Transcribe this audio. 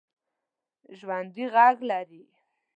ژوندي غږ لري